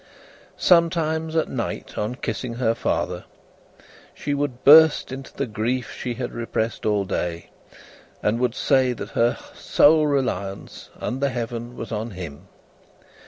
Sometimes, at night on kissing her father, she would burst into the grief she had repressed all day, and would say that her sole reliance, under Heaven, was on him.